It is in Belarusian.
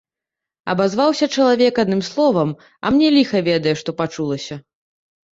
Абазваўся чалавек адным словам, а мне ліха ведае што пачулася.